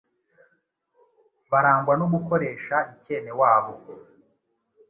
barangwa no gukoresha ikenewabo,